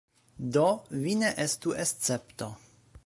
Do, vi ne estu escepto.